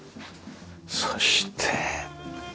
そして。